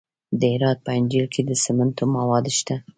د هرات په انجیل کې د سمنټو مواد شته.